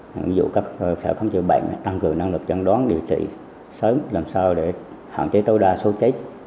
ví dụ các sở không chịu bệnh tăng cường năng lực chấn đoán điều trị sớm làm sao để hạn chế tối đa số chết